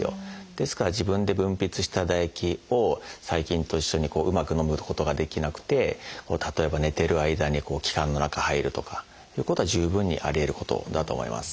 ですから自分で分泌した唾液を細菌と一緒にうまくのむことができなくて例えば寝てる間に気管の中へ入るとかいうことは十分にありえることだと思います。